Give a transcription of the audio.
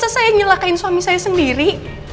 saya nyelakain suami saya sendiri